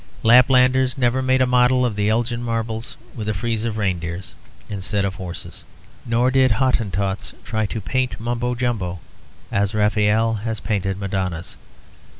Laplanders never made a model of the Elgin Marbles, with a frieze of reindeers instead of horses; nor did Hottentots try to paint Mumbo Jumbo as Raphael had painted Madonnas.